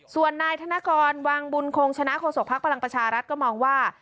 ส่วนนายธนกรวังบุญคงชนะโฆษกภักดิ์พลังประชารัฐก็มองว่า